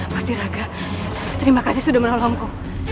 patiraga terima kasih sudah menolongku